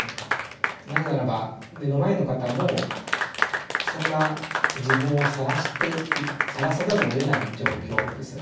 なぜならば目の前の方もそんな自分をさらしてさらさざるをえない状況ですよね。